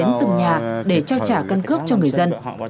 đến từng nhà để trao trả căn cước cho người dân